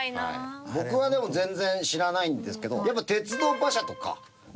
僕はでも全然知らないんですけどやっぱ鉄道馬車とか。